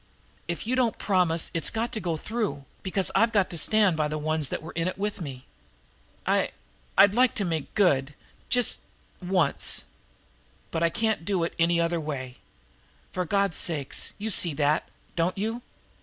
If you don't promise it's got to go through, because I've got to stand by the ones that were in it with me. I I'd like to make good just once. But I can't do it any other way. For God's sake, you see that, don't you?"